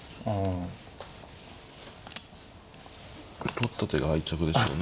取った手が敗着でしょうね。